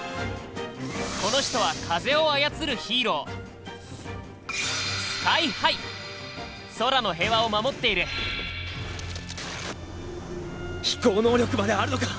この人は風を操るヒーロー空の平和を守っている飛行能力まであるのか！